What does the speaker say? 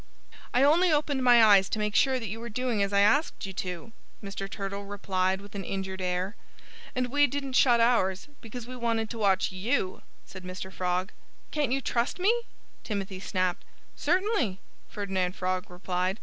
"I only opened my eyes to make sure that you were doing as I asked you to," Mr. Turtle replied with an injured air. "And we didn't shut ours, because we wanted to watch you," said Mr. Frog. "Can't you trust me?" Timothy snapped. "Certainly!" Ferdinand Frog replied.